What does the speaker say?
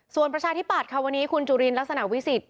ส่วนประชาธิปัตย์ค่ะวันนี้คุณจุลินลักษณะวิสิทธิ